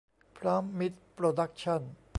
พร้อมมิตรโปรดักชั่น